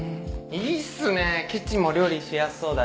いいっすねキッチンも料理しやすそうだし。